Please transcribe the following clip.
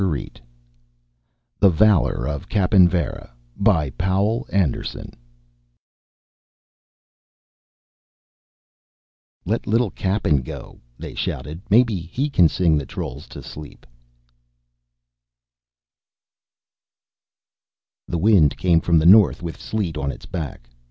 _ the valor of cappen varra by ... POUL ANDERSON "Let little Cappen go," they shouted. "Maybe he can sing the trolls to sleep " The wind came from the north with sleet on its back.